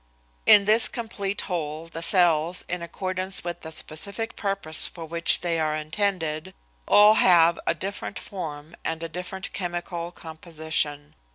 In this complete whole the cells, in accordance with the specific purpose for which they are intended, all have a different form and a different chemical composition.